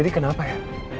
riri kenapa ya